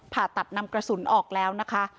ผ่าตัดนำกระสุนออกแล้วนะคะ